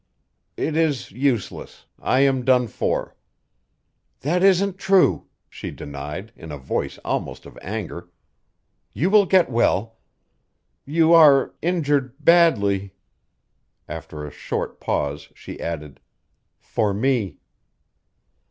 "It is useless. I am done for!" "That isn't true," she denied, in a voice almost of anger. "You will get well. You are injured badly " After a short pause she added, "for me."